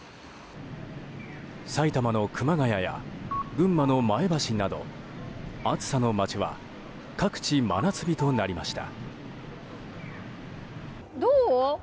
埼玉の熊谷や群馬の前橋など暑さの街は各地、真夏日となりました。